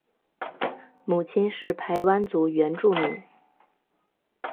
母亲是排湾族原住民。